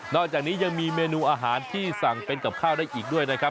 อกจากนี้ยังมีเมนูอาหารที่สั่งเป็นกับข้าวได้อีกด้วยนะครับ